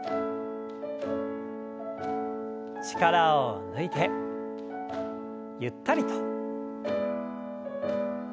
力を抜いてゆったりと。